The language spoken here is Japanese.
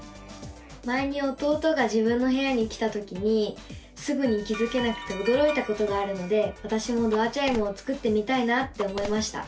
前に弟が自分の部屋に来たときにすぐに気付けなくておどろいたことがあるのでわたしもドアチャイムを作ってみたいなって思いました！